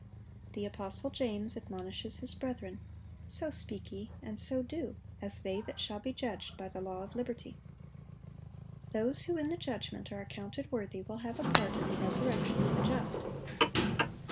(849) The apostle James admonishes his brethren, "So speak ye, and so do, as they that shall be judged by the law of liberty."(850) Those who in the judgment are "accounted worthy," will have a part in the resurrection of the just.